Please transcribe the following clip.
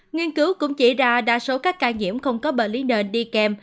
nghiên cứu cũng chỉ đa số các ca nhiễm không có bệnh lý nền đi kèm